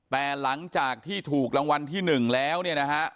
แต่หลังจากที่ถูกรางวัลที่๑แล้วเนี่ยนะฮะ